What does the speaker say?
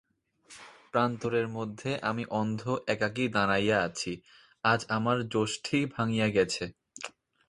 প্রান্তরের মধ্যে আমি অন্ধ একাকী দাঁড়াইয়া আছি, আজ আমার যষ্টি ভাঙিয়া গেছে।